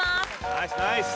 ナイスナイス！